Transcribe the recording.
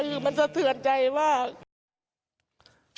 คือมันสะเทือนใจว่า